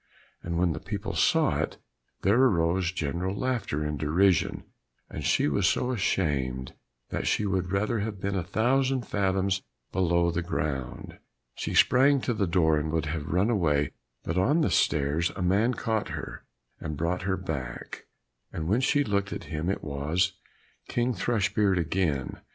And when the people saw it, there arose general laughter and derision, and she was so ashamed that she would rather have been a thousand fathoms below the ground. She sprang to the door and would have run away, but on the stairs a man caught her and brought her back; and when she looked at him it was King Thrushbeard again.